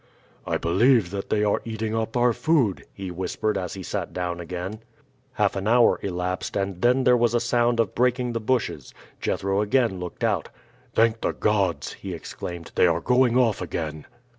"I believe that they are eating up our food," he whispered as he sat down again. Half an hour elapsed, and then there was a sound of breaking the bushes. Jethro again looked out. "Thank the gods!" he exclaimed, "they are going off again."